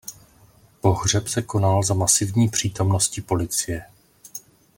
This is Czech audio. Pohřeb se konal za masivní přítomnosti policie.